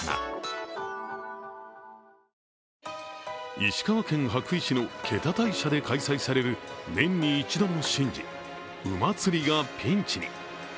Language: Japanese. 石川県羽咋市の気多大社で開催される年に一度の神事、鵜祭がピンチに。